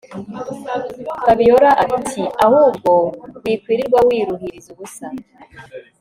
Fabiora atiahubwo wikwirirwa wiruhiriza ubusa